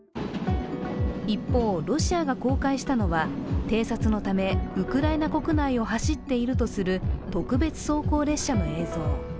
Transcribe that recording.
一方、ロシアが公開したのは偵察のためウクライナ国内を走っているとする特別装甲列車の映像。